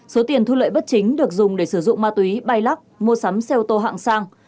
số tiền thu lợi bất chính được dùng để sử dụng ma túy bay lắc mua sắm xe ô tô hạng sang